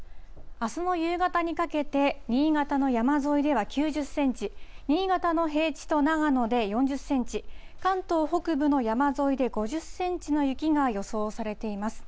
あすの夕方にかけて、新潟の山沿いでは９０センチ、新潟の平地と長野で４０センチ、関東北部の山沿いで５０センチの雪が予想されています。